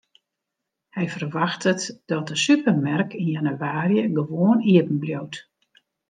Hy ferwachtet dat de supermerk yn jannewaarje gewoan iepenbliuwt.